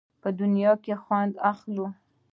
په دنیا کې یې خوند اخلو.